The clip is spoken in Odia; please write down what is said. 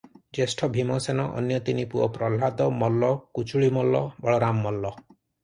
ଜ୍ୟେଷ୍ଠ ଭୀମସେନ, ଅନ୍ୟ ତିନି ପୁଅ ପହ୍ଲାଦ ମଲ୍ଲ, କୁଚୁଳି ମଲ୍ଲ, ବଳରାମ ମଲ୍ଲ ।